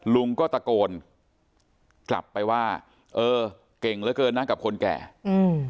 ลุงก็ตะโกนกลับไปว่าเออเก่งเหลือเกินนะกับคนแก่อืม